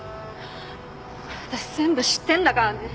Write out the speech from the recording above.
私全部知ってんだからね。